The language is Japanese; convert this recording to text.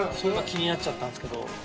気になっちゃったんですけど。